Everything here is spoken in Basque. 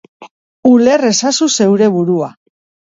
Uler ezazu zeure burua.